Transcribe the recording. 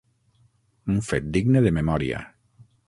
Un fet digne de memòria.